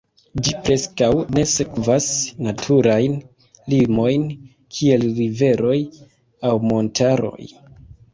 Ĝi preskaŭ ne sekvas naturajn limojn kiel riveroj aŭ montaroj.